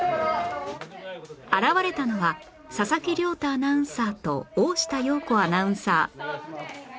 現れたのは佐々木亮太アナウンサーと大下容子アナウンサー